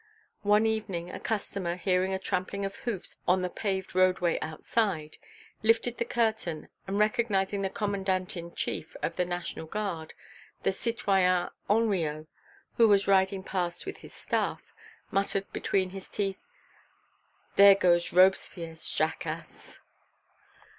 One evening a customer, hearing a trampling of hoofs on the paved roadway outside, lifted the curtain, and recognizing the Commandant in Chief of the National Guard, the citoyen Hanriot, who was riding past with his Staff, muttered between his teeth: "There goes Robespierre's jackass!"